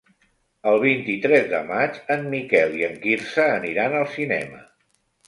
El vint-i-tres de maig en Miquel i en Quirze aniran al cinema.